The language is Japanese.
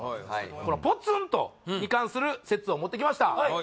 この「ポツンと」に関する説を持ってきました